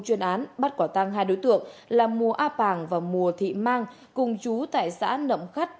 chuyên án bắt quả tăng hai đối tượng là mùa a pàng và mùa thị mang cùng chú tại xã nậm khắt